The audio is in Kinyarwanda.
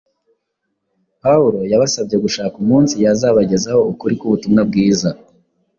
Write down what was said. Pawulo yabasabye gushaka umunsi yazabagezaho ukuri k’ubutumwa bwiza.